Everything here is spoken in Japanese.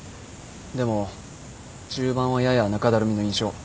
でも中盤はやや中だるみの印象。